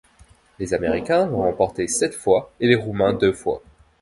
Les Américains l'ont emporté sept fois et les Roumains deux fois.